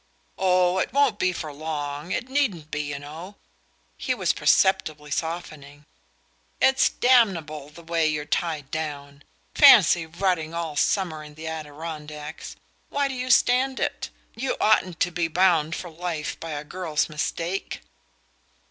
"Oh, it won't be for long it needn't be, you know." He was perceptibly softening. "It's damnable, the way you're tied down. Fancy rotting all summer in the Adirondacks! Why do you stand it? You oughtn't to be bound for life by a girl's mistake."